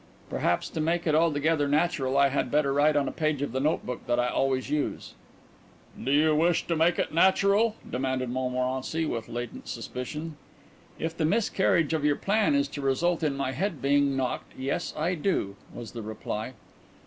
"Perhaps to make it altogether natural I had better write on a page of the notebook that I always use," suggested Carrados. "Do you wish to make it natural?" demanded Montmorency, with latent suspicion. "If the miscarriage of your plan is to result in my head being knocked yes, I do," was the reply.